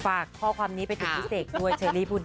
ฝากข้อความนี้ไปถึงพิเศษด้วยเชลลี่บูดดี